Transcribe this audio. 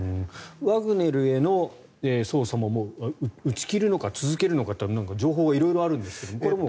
ワグネルへの捜査も打ち切るのか続けるのか情報が色々あるんですが。